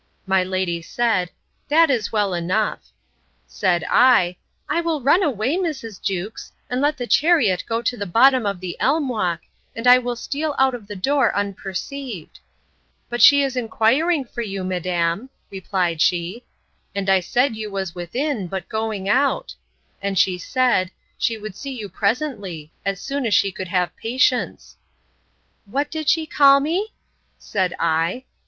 My lady said, That was well enough. Said I, I will run away, Mrs. Jewkes; and let the chariot go to the bottom of the elm walk, and I will steal out of the door unperceived: But she is inquiring for you, madam, replied she, and I said you was within, but going out; and she said, she would see you presently, as soon as she could have patience. What did she call me? said I.